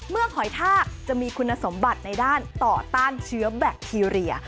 หอยทากจะมีคุณสมบัติในด้านต่อต้านเชื้อแบคทีเรีย